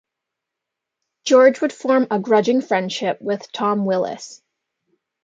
George would form a grudging friendship with Tom Willis.